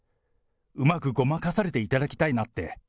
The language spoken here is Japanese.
うまくごまかされていただきたいなって。